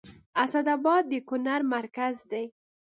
اسداباد د کونړ مرکز دی